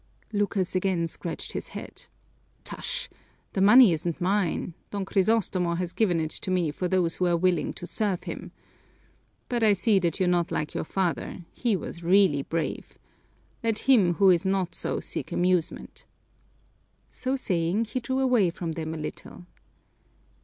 Lucas again scratched his head. "Tush! This money isn't mine. Don Crisostomo has given it to me for those who are willing to serve him. But I see that you're not like your father he was really brave let him who is not so not seek amusement!" So saying, he drew away from them a little.